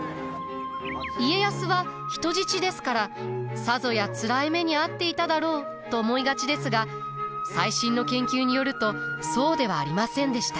家康は人質ですからさぞやつらい目に遭っていただろうと思いがちですが最新の研究によるとそうではありませんでした。